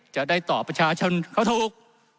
จะได้ต่อประชาชนเขาถูก